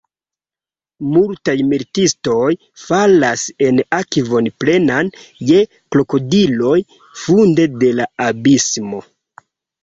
Multaj militistoj falas en akvon plenan je krokodiloj funde de la abismo.